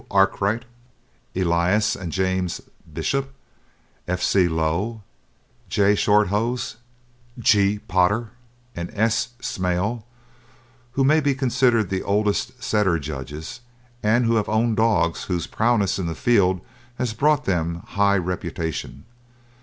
Arkwright, Elias and James Bishop, F. C. Lowe, J. Shorthose, G. Potter and S. Smale, who may be considered the oldest Setter judges, and who have owned dogs whose prowess in the field has brought them high reputation.